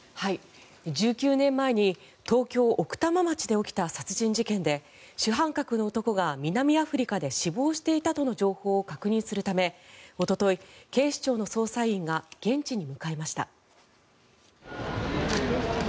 １９年前に東京・奥多摩町で起きた殺人事件で主犯格の男が南アフリカで死亡していたとの情報を確認するためおととい、警視庁の捜査員が現地に向かいました。